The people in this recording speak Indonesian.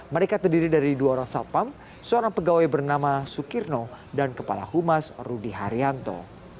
mereka terdiri dari dua orang satpam seorang pegawai bernama sukirno dan kepala humas rudy haryanto